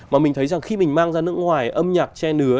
mà mình thấy rằng khi mình mang ra nước ngoài âm nhạc che nứa